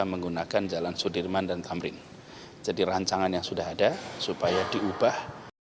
menggunakan jalan sudirman dan tamrin jadi rancangan yang sudah ada supaya diubah